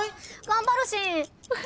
頑張るしん！